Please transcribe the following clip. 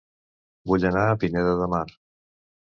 Vull anar a Pineda de Mar